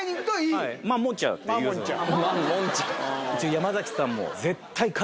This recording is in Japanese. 山さんも。